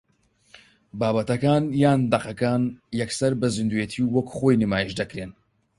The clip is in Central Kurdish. بابەتەکان یان دەقەکان یەکسەر بە زیندووێتی و وەک خۆی نمایش دەکرێن